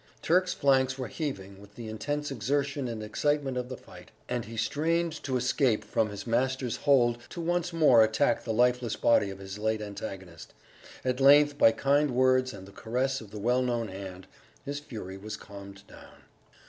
Turk's flanks were heaving with the intense exertion and excitement of the fight, and he strained to escape from his master's hold to once more attack the lifeless body of his late antagonist.... At length, by kind words and the caress of the well known hand, his fury was calmed down....